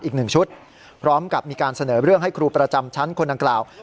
อีกหนึ่งชุดพร้อมกับมีการเสนอเรื่องให้ครูประจำชั้นคนดังกล่าว